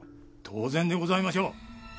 当然でございましょう。